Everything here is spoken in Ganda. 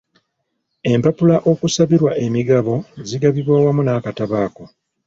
Empapula okusabirwa emigabo zigabibwa wamu n'akatabo ako.